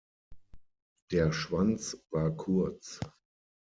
Der Schwanz war kurz.